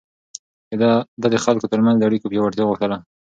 ده د خلکو ترمنځ د اړيکو پياوړتيا غوښتله.